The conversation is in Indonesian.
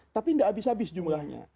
tapi tidak habis habis jumlahnya